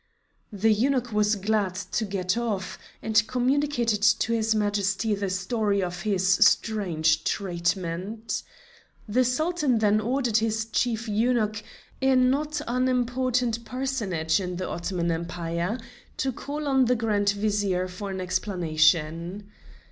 The eunuch was glad to get off, and communicated to his Majesty the story of his strange treatment. The Sultan then ordered his Chief Eunuch, a not unimportant personage in the Ottoman Empire, to call on the Grand Vizier for an explanation.